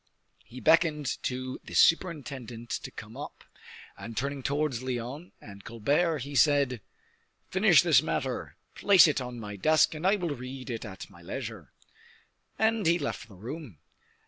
He beckoned to the superintendent to come up, and turning towards Lyonne and Colbert, he said: "Finish this matter, place it on my desk, and I will read it at my leisure." And he left the room.